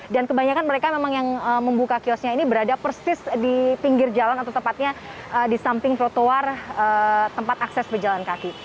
dan kebanyakan mereka memang yang membuka kiosnya ini berada persis di pinggir jalan atau tepatnya di samping protuar tempat akses berjalan kaki